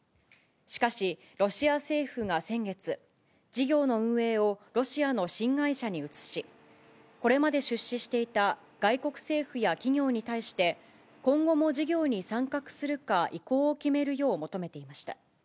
しかし、ロシア政府が先月、事業の運営をロシアの新会社に移し、これまで出資していた外国政府や企業に対して、今後も事業に参画するか、意向を決めるよう求めていました。